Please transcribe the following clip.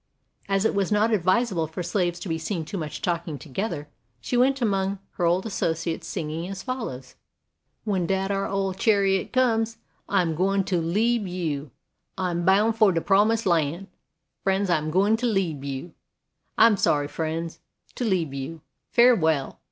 As it was not advisable for slaves to be seen too much talking together, she went among her old associates singing as follows: HARRIET TUBMAN 31 When dat ar ol' chariot comes I'm gwine to leabe you; I'm boun' for de Promised Land; Frien's, I'm gwine to leabe you. I'm sorry, frien's, to leabe you; Fafewell!